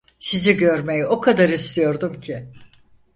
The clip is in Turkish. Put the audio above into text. Sizi görmeyi o kadar istiyordum ki…